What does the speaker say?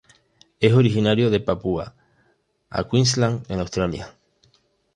Es originario de Papua a Queensland en Australia.